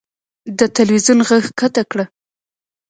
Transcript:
د تلوېزون ږغ کښته کړه .